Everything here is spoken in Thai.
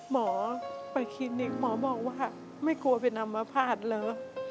หมอไปคลินิกหมอบอกว่าไม่กลัวเป็นอำมาตย์พาดเลย